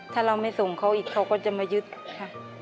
ถ้าเราไม่ส่งเขาอีกเขาก็จะมายึดค่ะ